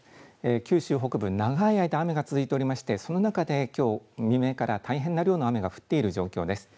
九州北部、長い間、雨が続いて降りまして、その中で、きょう未明から大変な量の雨が降っている状況です。